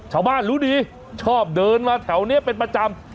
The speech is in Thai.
ชาวบ้านรู้ดีชอบเดินมาแถวนี้เป็นประจำ